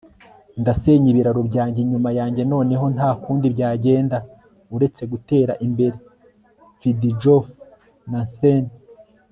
ndasenya ibiraro byanjye inyuma yanjye noneho nta kundi byagenda uretse gutera imbere - fridtjof nansen